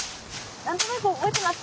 何となく覚えてます。